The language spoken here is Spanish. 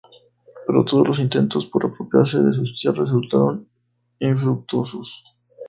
Pero todos los intentos por apropiarse de sus tierras resultaron infructuosos.